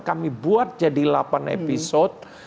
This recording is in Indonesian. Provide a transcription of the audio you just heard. kami buat jadi delapan episode